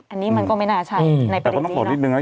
อันนี้มันก็ไม่น่าใช่ในปฏิบัตินี้